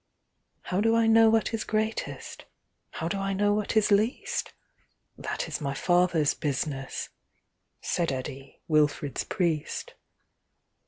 "How do I know what is greatest, How do I know what is least? That is My Father's business,"Said Eddi, Wilfrid's priest.